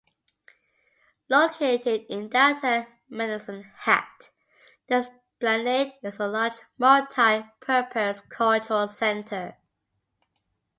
Located in downtown Medicine Hat, The Esplanade is a large multi purpose cultural centre.